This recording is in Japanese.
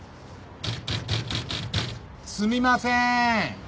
すみません。